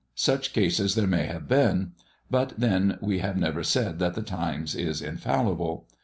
Such cases there may have been; but then we have never said that the Times is infallible.